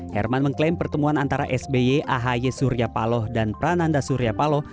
herman mengklaim pertemuan antara sby ahy suryapaloh dan prananda suryapaloh